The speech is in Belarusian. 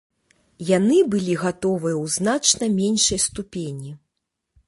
Яны былі гатовыя ў значна меншай ступені.